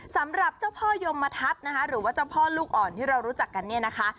สำหรับเจ้าพ่อยมทัศน์นะคะหรือว่าเจ้าพ่อลูกอ่อนที่เรารู้จักกันเนี่ยนะคะ